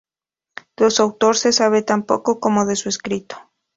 De su autor se sabe tan poco como de su escrito.